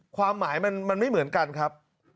ความหมายมันไม่เหมือนกันครับ